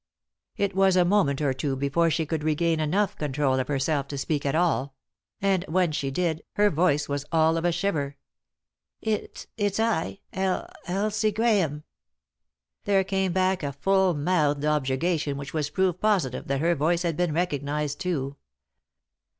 It was a moment or two before she could regain enough control of herself to speak at all ; and, when she did, her voice was all of a shiver. " It — it's I, El — Elsie Grahame." There came back a full mouthed objurgation which was proof positive that her voice had been recognised too.